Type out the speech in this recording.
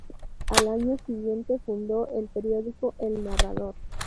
Al año siguiente fundó en periódico "El Narrador".